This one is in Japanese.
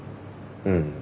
うん。